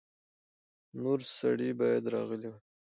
نور سړي باید راغلي وای.